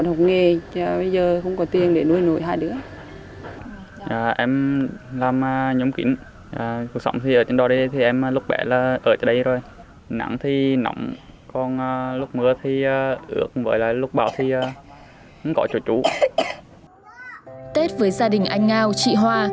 tết với gia đình anh ngao chị hoa